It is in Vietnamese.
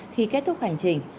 khi kết thúc hành trình